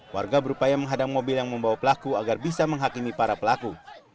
warga berupaya menghadang mobil yang membawa pelaku agar bisa menghakimi para pelaku